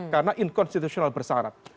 karena inkonstitusional bersarat